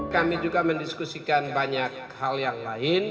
kami juga mendiskusikan banyak hal yang lain